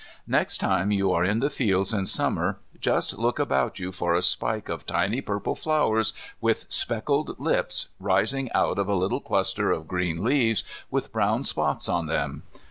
Next time you are in the fields in Summer just look about you for a spike of tiny purple flowers with speckled lips rising out of a little cluster of green leaves with brown spots on them.